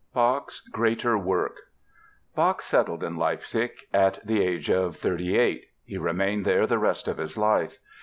BACH'S GREATER WORK Bach settled in Leipzig at the age of thirty eight. He remained there the rest of his life.